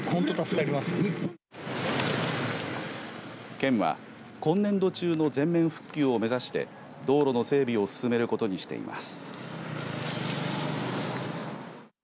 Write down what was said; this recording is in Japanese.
県は今年度中の全面復旧を目指して道路の整備を進めることにしています。